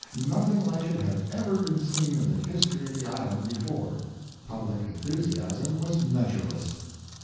Nothing like it had ever been seen in the history of the island before. Public enthusiasm was measureless.